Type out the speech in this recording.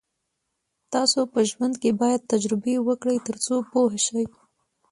تاسو په ژوند کې باید تجربې وکړئ تر څو پوه شئ.